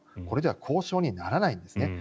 これでは交渉にならないんです。